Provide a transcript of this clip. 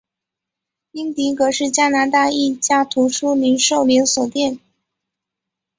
英迪戈是加拿大一家图书零售连锁店。